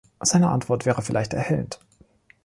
Seine Antwort wäre vielleicht erhellend.